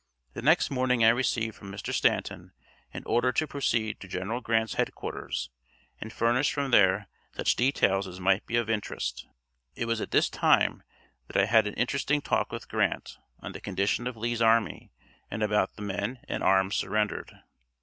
The next morning I received from Mr. Stanton an order to proceed to General Grant's headquarters and furnish from there such details as might be of interest. It was at this time that I had an interesting talk with Grant on the condition of Lee's army and about the men and arms surrendered.